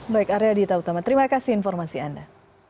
baik arya dita utama terima kasih informasi anda